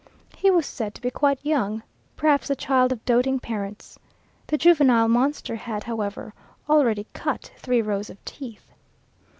He was said to be quite young, perhaps the child of doting parents. The juvenile monster had, however, already cut three rows of teeth.